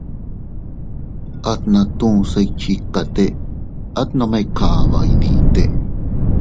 Atna toʼo se iychikate, at nome kaba iydite.